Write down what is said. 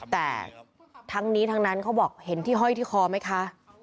แต่ทั้งนี้ทั้งนั้นเขาบอกเห็นที่ห้อยที่คอไหมคะ